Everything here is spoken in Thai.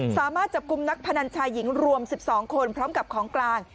สามารถจับกลุ่มนักพนันชายหญิงรวม๑๒คนพร้อมกับของกลาง